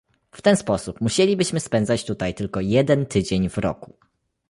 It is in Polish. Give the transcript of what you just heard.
W ten sposób musielibyśmy spędzać tutaj tylko jeden tydzień w roku